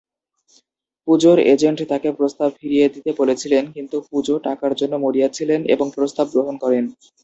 পুজোর এজেন্ট তাকে প্রস্তাব ফিরিয়ে দিতে বলেছিলেন, কিন্তু পুজো টাকার জন্য মরিয়া ছিলেন এবং প্রস্তাব গ্রহণ করেন।